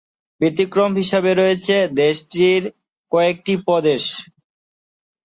ব্যতিক্রম হিসেবে রয়েছে দেশটির কয়েকটি প্রদেশ।